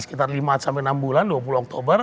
sekitar lima sampai enam bulan dua puluh oktober